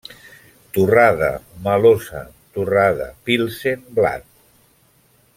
Torrada, Melosa, Torrada, Pilsen, Blat.